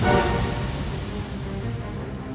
ya aku harus berhasil